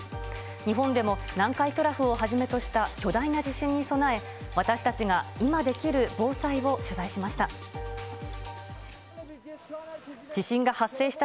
日本でも南海トラフをはじめとした巨大な地震に備え、私たちが今できる防災を取材しました。